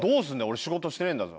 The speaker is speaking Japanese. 俺仕事してねえんだぞ。